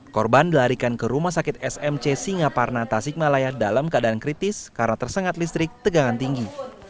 korban dilarikan ke rumah sakit smc singaparna tasikmalaya dalam keadaan kritis karena tersengat listrik tegangan tinggi